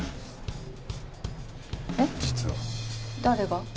誰が？